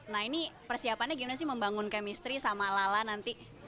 nah ini persiapannya gimana sih membangun chemistry sama lala nanti